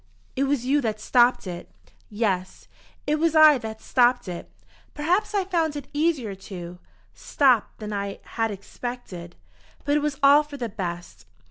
It was you that stopped it." "Yes, it was I that stopped it. Perhaps I found it easier to stop than I had expected. But it was all for the best.